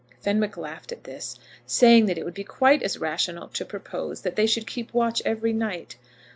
Fenwick laughed at this, saying that it would be quite as rational to propose that they should keep watch every night.